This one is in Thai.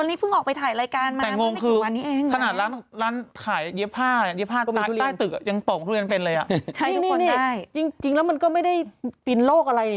ส่งไม่ได้หรือว่าทางจีนก็ไม่ให้เข้า